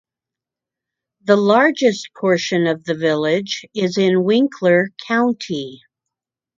The largest portion of the village is in Winkler County.